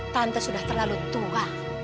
tante sudah terlalu tua